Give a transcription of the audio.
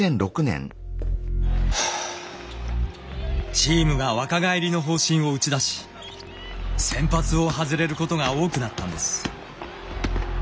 チームが若返りの方針を打ち出し先発を外れることが多くなったんです。